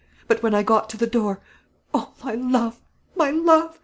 But when I got to the door O my love, my love!